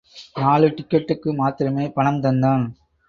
நாலு டிக்கட்டுக்கு மாத்திரமே பணம் தந்தான்.